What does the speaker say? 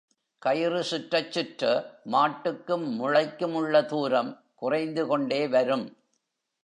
கயிறு சுற்றச் சுற்ற மாட்டுக்கும் முளைக்கும் உள்ள தூரம் குறைந்து கொண்டே வரும்.